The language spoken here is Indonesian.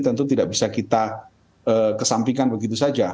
tentu tidak bisa kita kesampingkan begitu saja